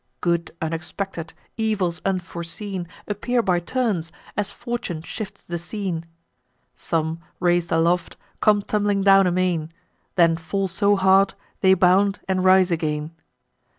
Good unexpected, evils unforeseen, Appear by turns, as fortune shifts the scene: Some, rais'd aloft, come tumbling down amain; Then fall so hard, they bound and rise again.